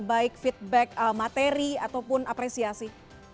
baik feedback materi ataupun apresiasi